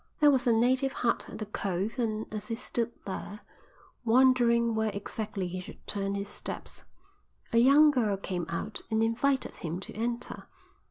"There was a native hut at the cove and as he stood there, wondering where exactly he should turn his steps, a young girl came out and invited him to enter.